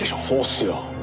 そうっすよ。